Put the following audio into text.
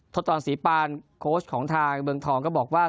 ศจรรศรีปานโค้ชของทางเมืองทองก็บอกว่า